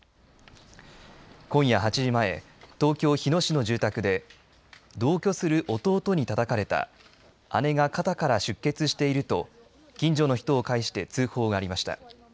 今夜８時前東京、日野市の住宅で同居する弟にたたかれた姉が肩から出血していると近所の人を介して通報がありました。